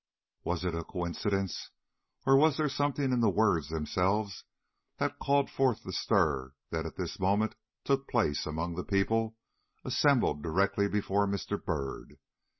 Was it a coincidence, or was there something in the words themselves that called forth the stir that at this moment took place among the people assembled directly before Mr. Byrd?